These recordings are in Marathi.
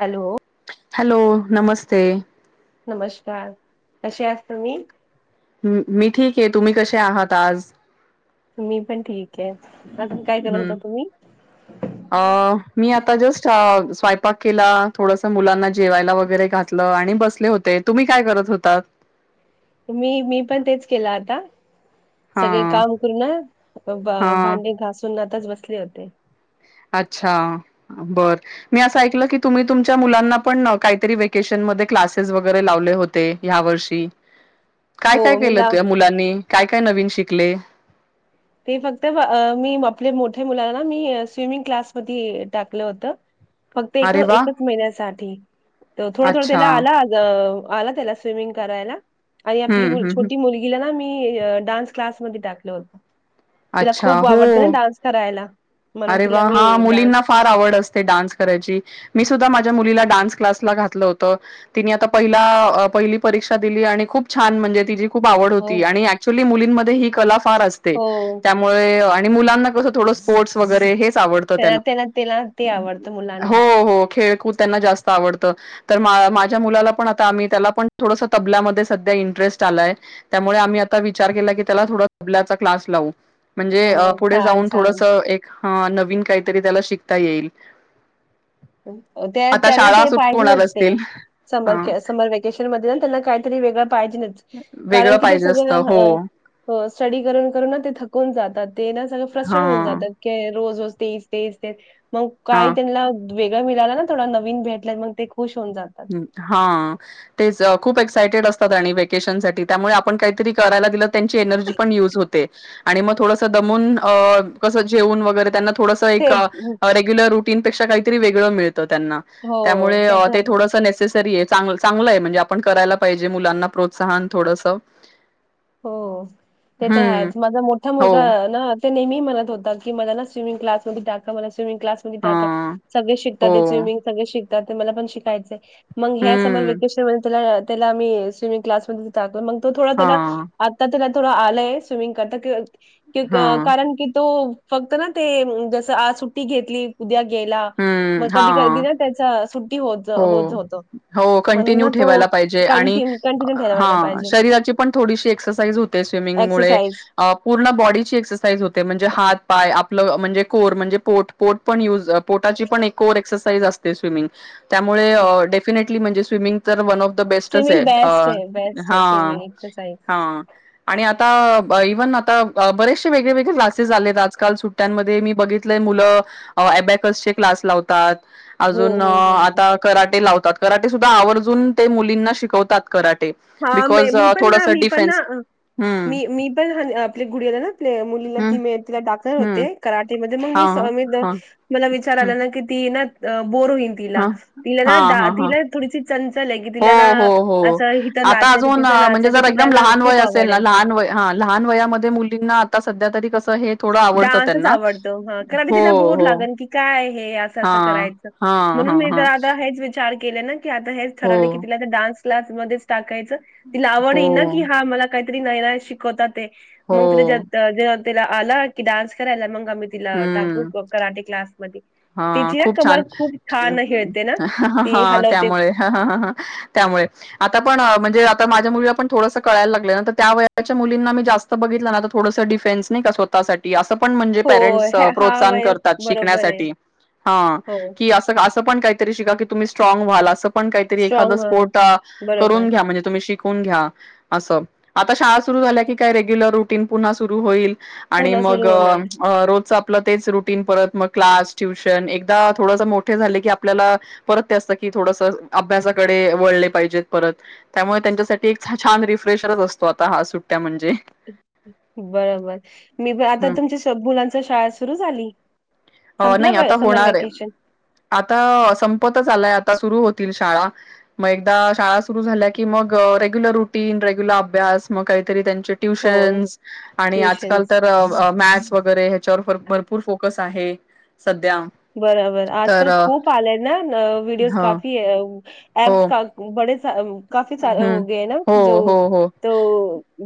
हॅलो. हॅलो नमस्ते. नमस्कार कसे आहात तुम्ही? हम्म मी ठीक आहे तुम्ही कसे आहात आज? मी पण ठीक आहे. अजून काय करत हम्म.. होता तुम्ही अ -मी आता जस्ट -स्वयंपाक केला थोडस मुलांना जेवायला वगैरे घातलं आणि बसले होते तुम्ही काय करत होतात? मी -मी पण तेच केलं आता. हा सगळे काम हा करून -भांडे घासून ना आताच बसले होते. अच्छा बर मी असं ऐकलं की तुम्ही तुमच्या मुलांना पण काहीतरी वकेशन म क्लासेस वगैरे लावले होते ह्या वर्षी? काय हो -काय मी केलं ला तूया मुलांनी काय -काय नवीन शिक अगले [unintelligible] ते फक्त अ मी आपल्या मोठ्या मुलाला ना मी स्विमिंग क्लासमध्ये टाकलं होत फक्त एक अरे वा एकच महिन्यासाठी तर थोडं थोडं अच्छा त्याला आला आला त्याला स्विमिंग करायला? आणि आपली हम्म मुल- हम्म हम्म. छोटी मुलगीला ना मी.. डान्स क्लासमध्ये टाकलं होत. तिला अच्छा खूप आवडतं ना हो डान्स करायला? म्हणून अरे वा तिला मी हा डान्स मुलींना फार आवड असते डान्स करायची मी सुद्धा माझ्या मुलीला डान्स क्लासला घातलं होत तिने आता पहिला पहिली परीक्षा दिली आणि खूप छान म्हणजे तिची खूप आवड हो, होती आणि ऍक्चली मुलीं -मुलींमध्ये ही कला फार असते हो. त्यामुळे आणि मुलाना कस थोडं स्पोर्टस वगैरे हे तेच आवडत त्याला त्यांना त्याला त्याला ते आवडतं [inaudible] मुलांना. हो -हो खळ जास्त आवड माझ्या मु पण त्या पण तबध इंटरेस्ट आलाय त्यामुळे आम्ही आ विचार केला क त्या ोडचा क्लास लावू म्हणजे हो, पुढे छान, जाऊन छान. थोडस एक हा नवीन काहीतरी त्याला शिकता येईल त्या आता त्याला शाळा ते सुरू होणार पाहिजेच ते असतील. हां. समर समर वकेशन मध्ये त्याला काहीतरी वेगळं वेगळं कारण क पाहिजे असतं. हो. सळ स्टडी करून करून ते थकून जातात ते ना सगळं फ्रस्टेड होऊ हां. जात रोज तेस तेस ते मग काही हां. त्यांला वेगळ मिळाला ना थोड नन भेटलाय मग ते खुश होऊन जातात. ् हा तेच खूप सायटेड असतात आणि वेकेशनसाठी त्यामुळे आपण काहीतरी करायला दिलं त्यांची एनर्जी पण यज होते आणि मग थोडंसं दमून कसं जेवून वगैरे त्यांना थड ते एक रेग्युलर तीनेा काहीत वेळ मिळ त्यां हो, त्यामुळे ते तर चग म्हणजे आपण करायला पाहिजे मुलांना प्रोत्साहन थोडस हो ते तर आहेच माझा मोठा हो. मुलगा ना ते नेहमीहीणत होत की मला ना स्विमिंग क्लासमध्ये टाका मला मंग क् हां. सगळे श ते हो. स्मिंग स ते मला पण शिकायचं मग ह समर हं. वेकेशन म्ह त्याला त्याला मीही स्विमिंग क्लासमध्ये टाकलो म त थोडा त्याला हां. आता त्याला थोडं आलंय स्विमिंग करता की क हां. कारण की तो फक्त ना ते जसं आज सुट्टी घेतली उद्या गेला हं. मग कधी कधी हां. त्या ना कंटिन्यू तो ठेवायला पाहिजे आणि कंटिन्यू कंटिन्यू हा ठेवायला पाहिजे शरीराची पण थोडी एक्सरसाइज अ, पूर्ण बॉडीची एक्सरसाइज होते म्हणजे हात पाय म्हणजे कोर म्हणजे पोट पोट पण युज पोटाची पण एक कोर एक्सरसाइज असते स्विमिंग त्यामुळे डेफिनेट ती म्हणली स्विमिंग वन ऑफ. बेस्टच स्विमिंग आहे. बेस्ट आ. आहे बेस्ट आहे हा. स्विमिंग एक्सरसाइज हा. आणि आता. आ इव्हन आता बरेचसे वेगळे-वगळे क्लासेस आले आहेत. आजकाल सुट्ट्यांमध्ये मी बघितलेय मुलं अबॅकस चे क्लास लावतात. हो. अजून हो. हो. हो. आता कराटे लावतात. कराटे सुद्धा आवर्जून ते मुलींना शिकवतात. कराटे हा म बिकॉज मी पण थोडस मी पण डिफेन्स ना. हम्म मी मी पण आपल्या गुडियाला ना मुलीला हम्म ती तिला टाकणार हम्म होते कराटेमध्ये. हा हा हा मी विचार आला ना ती. ती ना. बोर होईन तीला हा तीला हा ना डा हा हा तिला पुढची [unintelligible] हो तिला ना हो हो अस ही आता अजून म्हणजे जर एकदम लहान वय असेल आवड ना. आहे लहान हा लहान वयामध्ये मुलींना आता सध्या तरी. कसं हे थोडं आवडतं डान्सच त्यांना आवडतो. हा खर आता हो तिलाबोर हो लागन की काय. हे अस हा अस करायचं हा हा म्हनून हा मीच विचार केलं ना. आता हेच हो ठरवले की तिला आता डान्स क्लासमध्येच टाकाय तिला आवड हो येईन ना की हा मला काहीतरी नायरा शिकवता ते. हो मग तिथ जता जाल आला की डान्स करायला मग हां मी तिला टाकू हम्म क कराटे क्लासमधी? हा खूप छान. हेळते ना ह-ह-हा ती हलवते. त्यामुळे हं-हं-हं त्यामुळे आता पण अं म्हणजे आता माझ्या मुलीला पण थोडसं कळाय लागलं. ना तर त्या वयाच्या मुलींना मी जास्त बघितलं ना आता थोडंसं डिफेन्स नाही क स्वतःसाठी असं पण म्हणजे हो पालक ह्या- हा प्रोत्साहन वय करतात. बरोबर आहे शिकण्यासाठी. हा हो की असं का असं पण काहीतरी शिका की तुम्ही स्ट्रॉंग व्हाल असं पण काहीतरी स्ट्रॉंग एखादं [unintelligible] बरोबर करून घ्या म्हणजे तुम्ही शि कून घ्या असं आता शाळा सुरु झाल्या की काय रेग्युलर रुटीन पुन्हा सुरु होईल. आणि पुन्हा मग सुरू होणार. अं रोजचं आपलं तेच रुटीन परत मग क्लास. ट्युशन एकदा थोडंस मोठे झाले की आपल्याला परत ते असतं की थोडंस अभ्यासाकडे वळले पाहिजेत परत त्यामुळे त्यांच्यासाठी एक छा छान रिफ्रेशरच असतो आता हा सुट्ट्या म्हण बर बर मी त आता हं. तुमच्या [unintelligible] मुलाचं शाळा सुरू झाली? अं संपला नाइ व आता समर होणार हाय व्हॅकेशन? आता संपतच आलं नाइ आता सुरु होतील शाळा म एकदा शाळा सुरू झाल्या की मग अं रेगुलर रूटीन रेगुलर अभ्यास मग कायतरी त्यां च हो, ट्यूशनस् आणि आजकाल ट्युशन्स. तर अं मॅथ्स वगरे हेच्यावर पर भरपूर फोकस आहे. सध्या बरोबर तर आजकाल खूप आलंय ना न व्हिडिओज ह काफीए अँप्स काकू बडे [unintelligible] हं हो गए ना हो जो हो हो तो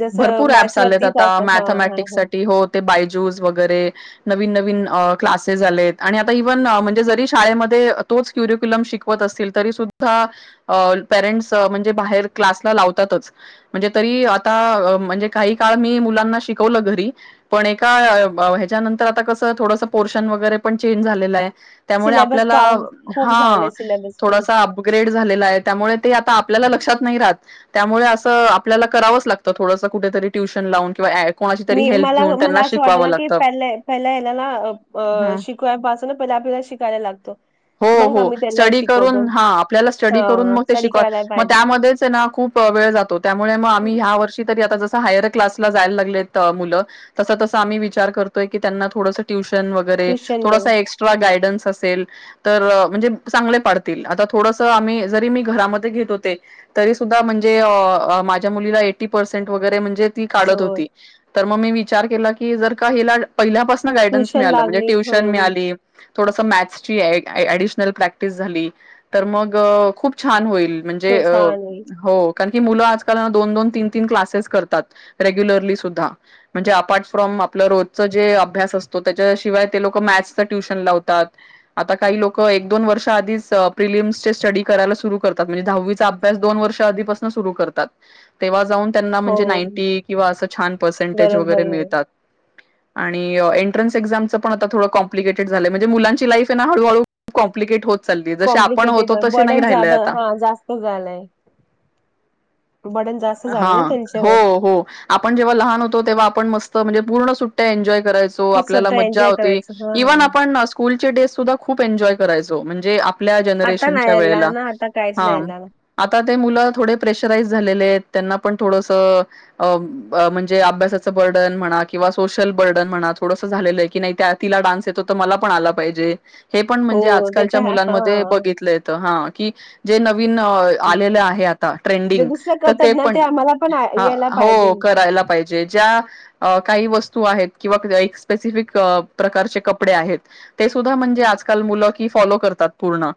जसं भरपूर ऍप्स आलेत मॅथ्सवरतीच आता असतं. हां, हां, मॅथमॅटिक्स हां. साठी हो ते बायजूस वगैरे नवीन नवीन अं क्लासेस आलेत आणि आता ईव्हन म्हणजे जरी शाळेमध्ये तोच क्यूरीक्युलम शिकवत असतील तरीसुद्धा अं पॅरेंटस् अं म्ह जे बाहेर क्लासला लावतातच म्हणजे तरी आता अं म्हणजे काही काळ मी मुलांना शिकवलं घरी पण एका अं ब हेज्या नंतर आता कसं थोडंसं पोर्शन वगैरे पण चेंज झालेलाय. त्यामुळे सिलेबस आपल्याला काम खूप हां झालंय सिलेबस पण. थोडासा अपग्रेड झालेलाय. त्यामुळे ते आता पल्याला लक्षात नाही राहत त्यामुळे असं आपल्याला करावचं लागतं थोडंसं कुठेतरी ट्युशन लावून किंवा ॲप मी मला मला असं वाटत ना की हं. [unintelligible] शिकवा पास तुमी पयला आपल्या शिकायला लागत. हो हो स्टडी करून हा आपल्याला स्टडी करून हां, मग ते स्टडी शिकवाय करायला मग पाहिजे. त्यामध्येचे ना खूप वेळ जातो, त्यामुळे मग आम्ही ह्या वर्षी तरी आता जस बाहेर क्लासला जायला लागलित मुलं तसं तसं आम्ही विचार करतोय की त्यांना थोडस टयूश शन वगरे ट्युशन थोडासा मध्ये एक्स्ट्रा गाईडन्स असेल. तर म्हणजे चांगले पाडतील आता थोडस आम्ही जरी मी घरामध्ये घेत होते तरी सुद्धा म्हणजे अं माझ्या मुलीला एटी पेरसेन्ट वगरे म्हणजे ती हो काढत होती. तर म मी विचार केला की जर का ही ला पहिल्या पासन गार्डन्स ट्युशन मिळाल म्हणजे लागली ट्युशन हम्म मिळाली. थोडसं मॅथ्स ची ऍड ॲडिशनल प्रॅक्टिस झाली तर मग खूप छान होईल म्हणजे शो अं छान होईल हो. कारण की मुल आजकल दोन दोन तीन तीन क्लासेस करतात, रेग्युलरली सुध्दा अफाट फ्रॉम रोजच जे अभ्यास असतो, तेच्याशिवाय ते लोक मॅथ्स ट्युशन लावतात आता काही लोक एक दोन वर्ष आधीच प्रिलियमचे स्टडी करायला सुरू करतात म्हणजे दहावीचा अभ्यास दोन वर्ष अधीपसन सुरू करतात. तेव्हा जाऊन त्यांना हो म्हणजे नाईं टी किंवा छान अस परसेंट बरोबर वगरे बरोबर मिळतात. आणि एंट्रन्स एक्झामच पण आता थोड कॉम्प्लिकेटेड झालय म्हणजे मुलांची लाईफ हे ना हळूळू कॉम्लिकेट होत. चालली जसे आपण कॉम्प्लिकेटेड होतो तसे नाही बर्डन राहिलय ज्यादा आता हा जास्त झालंय. बर्डन जास्त झाले ना हां हो त्यांच्यावर हो आपण जेव्हा लहान होतो तेव्हा आपण मस्त म्हणजे पूर्ण सुट्ट्या एनजॉय करायचो खूप आपल्याला स्वतः मज्जा एन्जॉय होती करायचं हा इव्हन हा आपण स्कूलचे डे सुद्धा खूप एन्जॉय करायचो म्हणजे आ पल्या आता नाही जनरेशनच्या यायला वेळेला ना आता काहीच नाही हां, येणार आता ते मुलं थोडे प्रेशराईज झालेले आहेत त्यांना पण थोडसं अ ब म्हणजे अभ्यासाचं बर्डन म्हणा किंवा सोशल बर्डन म्हणा थोडसं झालेलं आहे की नाही तिला डान्स येतो तर मला पण आला पाहिजे. [inaudible] हे पण म्हणजे हो ते तर आजकालच्या हा मुलांमध्ये हा. बघितलं येत हां की जे नवीन अ आलेलं आहे आता जे ट्रेंडिंग दुसरं तर ते करतात ना हम्म आम्हाला पण आ- हां यायला पाहिजे हो करायला पाहिजे ज्या अ काही व स्तू आहेत किंवा एक पॅसिफिक प्रकारचे कपडे आहेत ते सुद्धा म्हणजे आज काल मुलं की फॉलो करतात पूर्ण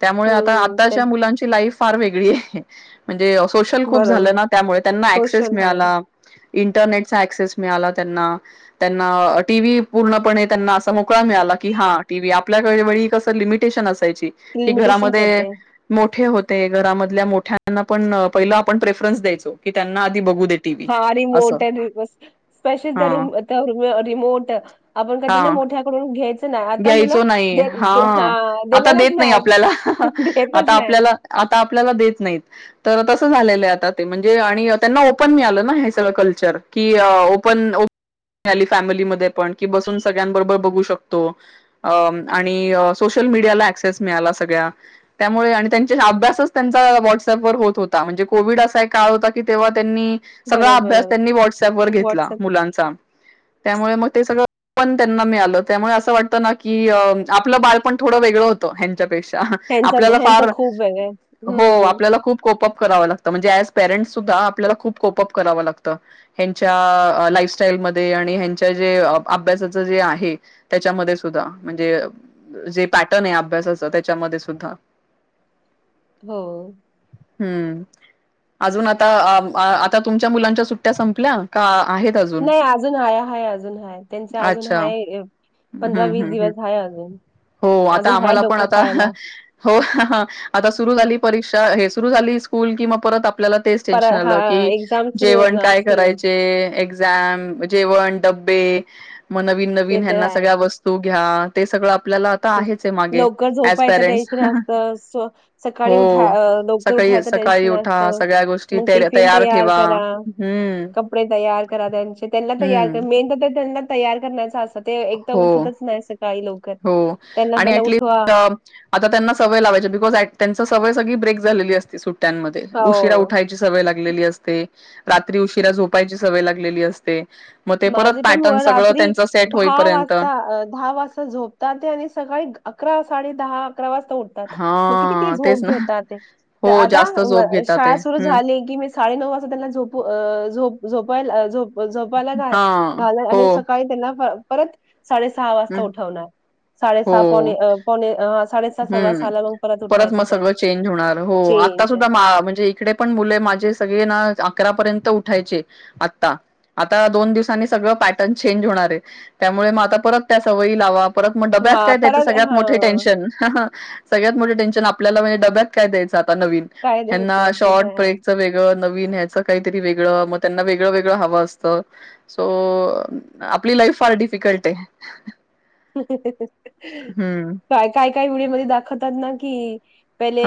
त्यामुळे आता हम्म ते आताच्या मुलांची लाईफ फार वेगळी आहे. म्हणजे अ सोशल खूप झाल्या बरोबर ना त्यामुळे त्यांना ॲक्सेस सोशल हा मिळाला इंटरनेटचा ॲक्सेस मिळाला त्यांना त्यांना अ टीव्ही पूर्णपणे असा मोकळा मिळाला की हां टी व्ही आपल्या [inaudible] वेळी कसं लिमिटेशन अ सायची की लिमिटेशन घरामध्ये होते मोठे हो ते घरामधल्या मोठ्यांना पण पहिलं आपण प्रे फरन्स द्यायचो की त्यांना आ हां रिमोट त्या दिवस हा [unintelligible] र रिमोट आपण कधी ना हा मोठ्याकडून घ्याय घ्यायचो नाही हां आता देत नाही आपल्याला, देतच आता नाही आपल्याला आता आपल्याला देत नाहीत तर आता [unintelligible] झालेलं आता ते म्हणजे आणि त्यांना ओपन मिळालं ना हे सगळं कल्चर की अ ओपन ओप मिळाली फॅमिलीमध्ये पण की बसून सगळ्यांबरोबर बघू शक तो अ अम्म आणि सोशल मीडियाला अक्सेस मिळाला सगळ्या त्यामुळे आणि त्यांचे अभ्यासच त्यांचा व्हॉट्सअप व होत होता म्हणजे कोविड असा एक काळ होता की तेव्हा त्यांनी सगळा अभ्यास बरोबर त्यांनी व्हाट्सअँपवर घेतला व्हॉट्सअप मुलांचा त्यामुळे मग ते सगळं पण त्यांना मिळालं. त्यामुळे असं वाटतं ना की अ आपलं बालपण थोडं वेगळं होतं ह्यांच्यापे क्षा ह्यांचा आपल्याला ह्यांचा फार खूप वेगळं आहे हो हम्म आपल्याला खूप कोपप करावं लागतं म्हणजे एज पेरेंट्स सुद्धा आपल्याला खूप कोपप करावं लागतं ह्यांच्या अ लाईफस्टाईलमध्ये आणि ह्यांच्या जे अभ्यासाचं जे आहे त्याच्यामध्ये सुद्धा म्हणजे अ जे पॅटर्न आहे अभ्यासाचं त्याच्यामध्ये सुद्धा हो. हम्म अजून आता आ अ आता तुमच्या मुलांच्या सुट्ट्या संपल्या का नाही अजून हाय हाय अजून हाय त्यांचे अजून अच्छा हाय अ हम्म हम्म पंधरा-वीस हम्म. दिवस हाय अजून [inaudible] हो आता अजून हाय आम्हाला पण डोकं आता खायला हो आता सुरू झाली परीक्षा सुरु झाली स्कूल किंवा परत आप आपल्याला तेच पर टेनशन हा आलं की एक्झाम सुरू जेवण होणार काय सुरू होणार. करायचे एक्झाम जेवण [inaudible] मग नवीन ते नवीन तर ह्यांना सगळ्या वस्तू घ्या ते सगळंआप खुप लवकर झोपायचं पेरेंट्स टेन्शन असत स्व सकाळी हो उठा अ लवकर सकाळी उठायच सकाळी टेनशन उठा असत सगळ्या गोष्टी मग टिफिन तयार ठेवा करा हम्म कपडे तयार करा त्यांचे त्यांना तर हम्म करा मेनतर त्यांना तयार करण्याच अस ते एकदा हो उठतच नाही सक काहिलोक हो आणि ऍटलीस्ट आता त्यांना सवय लावायची बिकॉज त्यां सवय सगळी ब्रेक झाली असते सुट सुट्यामध्ये उशिरा हो. उठायची सवय लागलेली असते रात्री उशीरा झोपायची सवय लागलेली असते मग ते परत माझे पण व पॅटर्न सगळं रात्री त्यांच सेट दहा होईपर्यंत वाजता दहा वाजता झोप तात्यानित्आणि सकाळी अकरा साडे दहा अकरा वाजता उतात मग कि हा झोप तेच ना. घेतात ते हो आदा जास्त झोप घेतात ते. शाळा सुरू हम्म झाली की मी साडे नऊ वाजतात्याना झोपु झोपायला अ झोप व झोपायलाच हा हो. [unintelligible] परत साडे सहा वाजता हम्म उठवणार साडेसहा पाऊणे अ साडेसहा सव्वा हम् सहाला मग परत उठवायचं मग त्यां सगळं चेंज होणार हो आता चेंज सुद्धा म्हणजे इकडे पण मुले माझे सगळे ना अकरा पर्यंत उठायचे आता आता दोन दिवसांनी सगळा प्याटर्ण चेंज होणार आहे. त्यामुळे परत त्या सवयी लावा परत मग डब्यात हा काय द्यायच परत सगळ्यात हा मोठ टेन्शन? ह सग्यात मोठे टेन्शन आपल्याला म्हणजे डब्यात काय द्यायचं. काय द्यायचं ते तर आहे. [unintelligible] काय तरी वेगळ वेगळ वेगळं हव असत सो आपली लाईफ फार डिफिकल्ट आहे. हम्म काय काय? काही व्हिडिओमध्ये दाखवतात ना की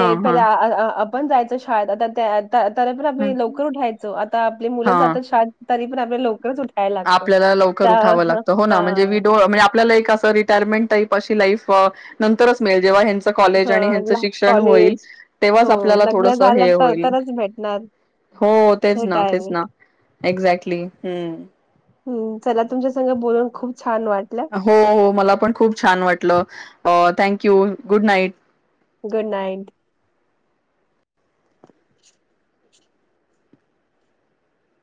हा हा पहि पण जायचं शाळेत आता त्या [unintelligible] तरी पण आम्ही हम्म. लवकरच हा उठ आपल्याला लवकर उठावं लागतं हो ना म्हणजे वि डो म्हणजे आपल्याला एक अस रिटायरमेंट टाईप् अशी लाईफ नंतरच मिळेल. जेव्हा हेंच कॉलेज आणि हेंच हा शिक्षण होईल कॉलेज तेव्हाच हो आपल्याला लग्न थोडस हे झालं तर होईल तरच भेटणार हो तेच हे ना तेच टायमिंग ना एक्झॅक्टली हम्म. हम्म. चला तुमच्या संग बोलून खूप छान वाटलं हो हो मला पण खूप छान वाटलं. अ thank you good night. Good night.